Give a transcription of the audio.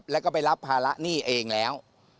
แล้วก็ไปรับภาระหนี้เองแล้ว